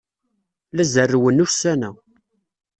La zerrwen ussan-a.